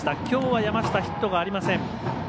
きょうは山下、ヒットありません。